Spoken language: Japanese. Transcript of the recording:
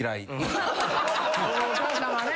お母さんはね。